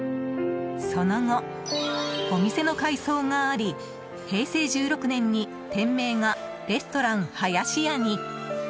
その後、お店の改装があり平成１６年に店名が「レストランはやしや」に。